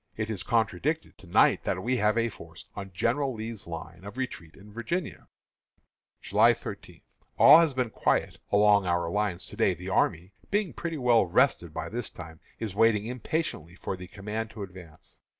It is contradicted, to night, that we have a force on General Lee's line of retreat in Virginia." July 13. All has been quiet along our lines to day. The army, being pretty well rested by this time, is waiting impatiently for the command to advance.